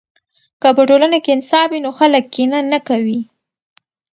که په ټولنه کې انصاف وي نو خلک کینه نه کوي.